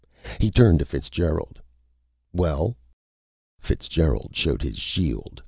He turned to Fitzgerald. "Well?" Fitzgerald showed his shield.